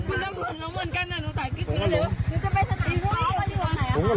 ตำรวจลงลองจอดโตน